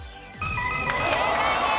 正解です。